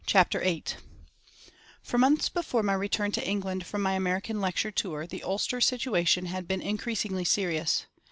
CHAPTER VIII For months before my return to England from my American lecture tour, the Ulster situation had been increasingly serious.